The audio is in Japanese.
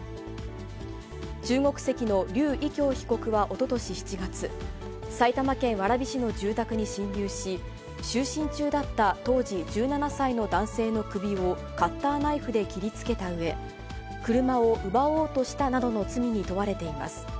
中国籍の柳偉強被告はおととし７月、埼玉県蕨市の住宅に侵入し、就寝中だった当時１７歳の男性の首をカッターナイフで切りつけたうえ、車を奪おうとしたなどの罪に問われています。